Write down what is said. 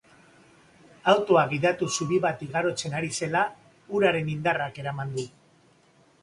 Autoa gidatuz zubi bat igarotzen ari zela, uraren indarrak eraman du.